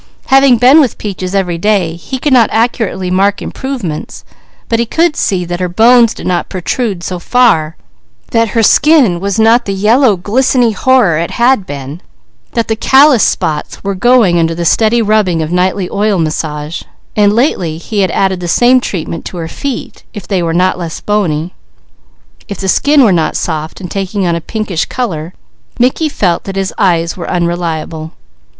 Having been with Peaches every day he could not accurately mark improvements, but he could see that her bones did not protrude so far, that her skin was not the yellow, glisteny horror it had been, that the calloused spots were going under the steady rubbing of nightly oil massage, so lately he had added the same treatment to her feet; if they were not less bony, if the skin were not soft and taking on a pinkish colour, Mickey felt that his eyes were unreliable.